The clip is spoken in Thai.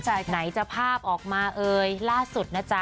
ไหนจะภาพออกมาเอ่ยล่าสุดนะจ๊ะ